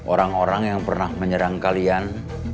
orang orang yang pernah menyerang kalian